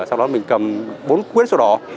sau đó mình cầm bốn quyết số đó